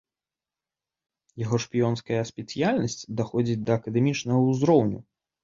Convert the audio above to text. Яго шпіёнская спецыяльнасць даходзіць да акадэмічнага ўзроўню.